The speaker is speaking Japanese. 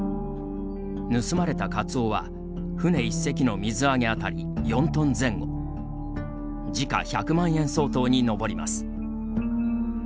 盗まれたカツオは船１隻の水揚げ当たり４トン前後時価１００万円相当に上ります。